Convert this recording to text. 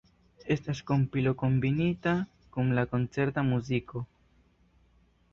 Estas kompilo kombinita kun koncerta muziko.